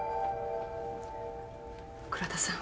倉田さん。